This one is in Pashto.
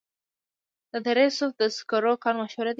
د دره صوف د سکرو کان مشهور دی